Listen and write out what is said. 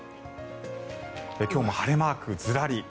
今日も晴れマークずらり。